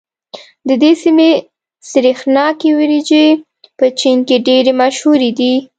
د دې سيمې سرېښناکې وريجې په چين کې ډېرې مشهورې دي.